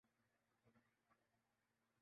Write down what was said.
اس کے تمام اخراجات خود مزدور کے ذمہ تھے